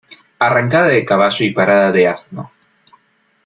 Arrancada de caballo y parada de asno.